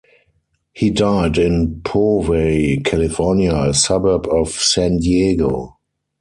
He died in Poway, California, a suburb of San Diego.